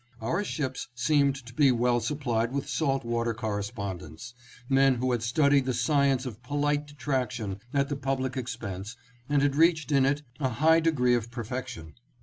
Our ships seemed to be well supplied with salt water correspondents ; men who had studied the science of polite detraction at the public expense and had reached in it a high degree of perfec tion.